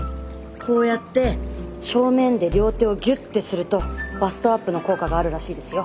こうやって正面で両手をギュッてするとバストアップの効果があるらしいですよ。